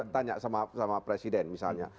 tanya sama presiden misalnya